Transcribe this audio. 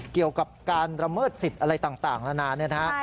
เกี่ยวกับการระเมิดสิทธิ์อะไรต่างนานาเนี่ยนะฮะ